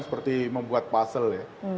seperti membuat puzzle ya